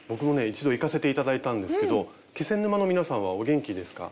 一度行かせて頂いたんですけど気仙沼の皆さんはお元気ですか？